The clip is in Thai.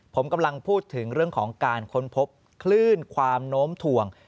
ผมกำลังพูดถึงเรื่องของการค้นพบคลื่นความโน้มถ่วง